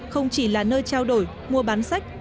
không chỉ là nơi trao đổi mua bán sách